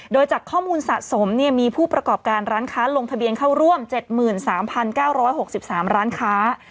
โดยจากข้อมูลสะสมมีผู้ประกอบการร้านค้าลงทะเบียนเข้าร่วม๗๓๙๖๓ร้านค้า